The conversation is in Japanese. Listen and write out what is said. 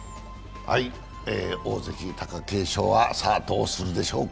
大関・貴景勝は、さあどうするでしょうか。